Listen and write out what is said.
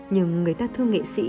nhưng người ta thương nghệ sĩ